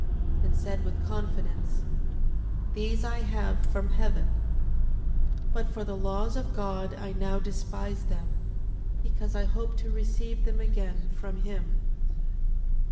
And said with confidence: These I have from heaven, but for the laws of God I now despise them, because I hope to receive them again from him.